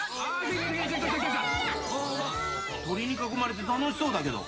鳥に囲まれて楽しそうだけど。